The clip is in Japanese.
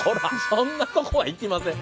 そんなとこは行きません。